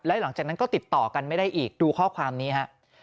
แล้วหลังจากนั้นก็ติดต่อกันไม่ได้อีกดูข้อความนี้ฮะ